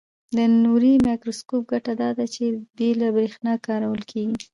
د نوري مایکروسکوپ ګټه داده چې بې له برېښنا کارول کیږي.